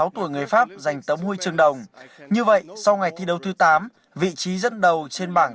tuổi người pháp giành tấm huy chương đồng như vậy sau ngày thi đấu thứ tám vị trí dẫn đầu trên bảng